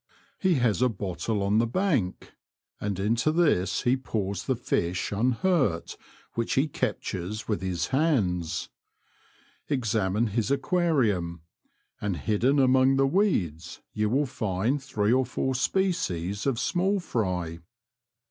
He has a bottle on the bank, and into this he pours the fish unhurt which he captures with his hands. Examine his aquarium, and hidden among the weeds you will find three or four species of small fry.